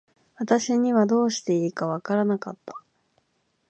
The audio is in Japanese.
私にはどうしていいか分らなかった。